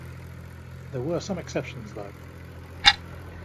There were some exceptions though.